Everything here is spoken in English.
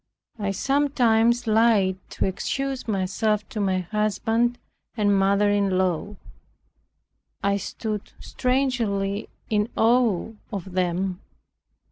I sometimes lied to excuse myself to my husband and mother in law. I stood strangely in awe of them.